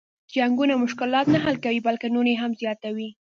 جنګونه مشلات نه حل کوي بلکه نور یې هم زیاتوي.